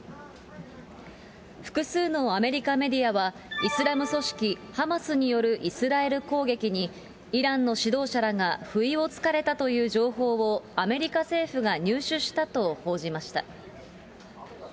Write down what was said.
複数のアメリカメディアは、イスラム組織ハマスによるイスラエル攻撃に、イランの指導者らが不意をつかれたという情報をアメリカ政府が入手したと報じました。